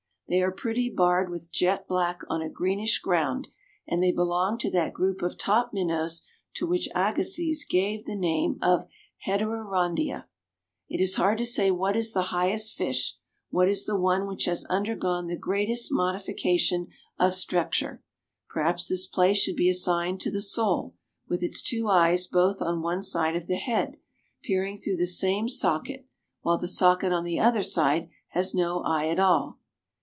They are prettily barred with jet black on a greenish ground, and they belong to that group of top minnows to which Agassiz gave the name of heterandria. It is hard to say what is the highest fish what is the one which has undergone the greatest modification of structure. Perhaps this place should be assigned to the sole, with its two eyes both on one side of the head, peering through the same socket, while the socket on the other side has no eye at all.